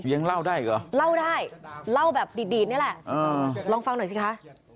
ยังเล่าได้อีกเหรอเล่าได้เล่าแบบดีดดีดนี่แหละลองฟังหน่อยสิคะ